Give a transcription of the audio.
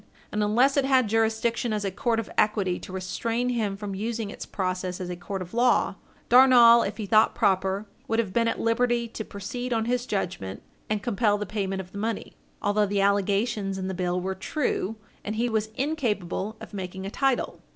And unless it had jurisdiction as a court of equity to restrain him from using its process as a court of law, Darnall, if he thought proper, would have been at liberty to proceed on his judgment, and compel the payment of the money, although the allegations in the bill were true and he was incapable of making a title.